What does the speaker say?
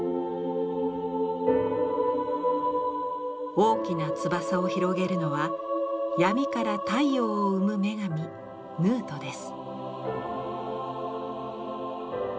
大きな翼を広げるのは闇から太陽を生む女神ヌウトです。